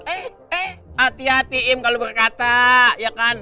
eh eh hati hati im kalau berkata ya kan